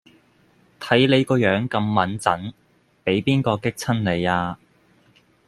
睇你個樣咁䒐䒏畀邊個激親你呀